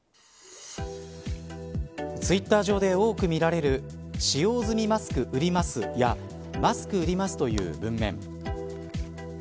ツイッター上で多く見られる使用済みマスク売ります、やマスク売りますという文面。